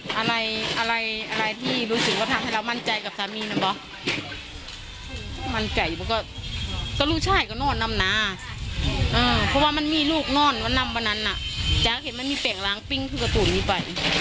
คุยสดใจมัดแล้วว่ารู้ชายก็นอนลำนาเพราะว่ามันมีลูกนอนมานั่นน่ะ